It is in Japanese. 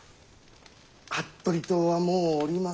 服部党はもうおりませぬ。